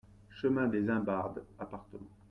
Chemin des Imbardes, Apt